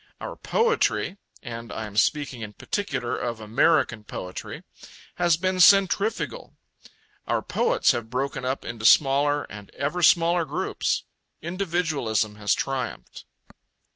Our poetry and I am speaking in particular of American poetry has been centrifugal; our poets have broken up into smaller and ever smaller groups. Individualism has triumphed.